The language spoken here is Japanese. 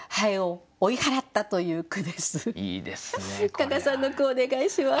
加賀さんの句お願いします。